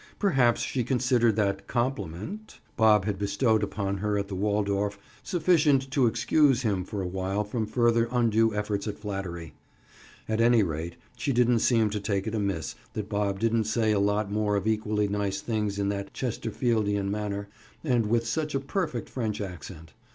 Perhaps she considered that compliment (?) Bob had bestowed upon her at the Waldorf sufficient to excuse him for a while from further undue efforts at flattery. At any rate, she didn't seem to take it amiss that Bob didn't say a lot more of equally nice things in that Chesterfieldian manner and with such a perfect French accent.